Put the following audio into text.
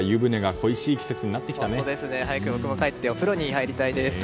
僕も早く帰ってお風呂に入りたいです。